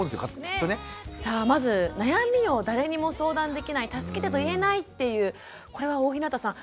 さあまず悩みを誰にも相談できない助けてと言えないっていうこれは大日向さん